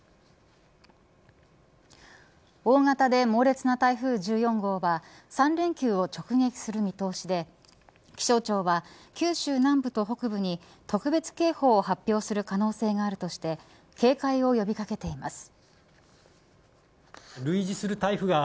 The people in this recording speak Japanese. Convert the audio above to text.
大型で猛烈な台風１４号は３連休を直撃する見通しで気象庁は九州南部と北部に特別警報を発表する可能性があるとして警戒を呼び掛けています。